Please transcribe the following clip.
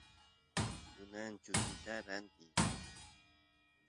kunan kuchista rantiy